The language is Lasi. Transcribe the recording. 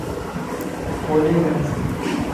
ھوڏي وڃ